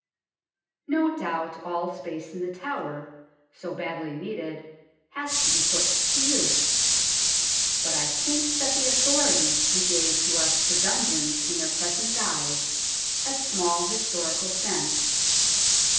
No doubt all space in The Tower, so badly needed, has to be put to use, but I think that the authorities who gave to us the dungeons in their present guise had small historical sense.